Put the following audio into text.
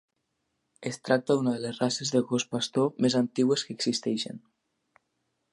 Es tracta d'una de les races de gos pastor més antigues que existeixen.